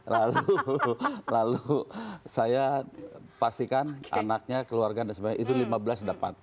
lalu lalu saya pastikan anaknya keluarganya itu lima belas dapat